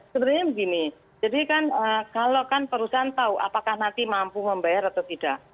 sebenarnya begini jadi kan kalau kan perusahaan tahu apakah nanti mampu membayar atau tidak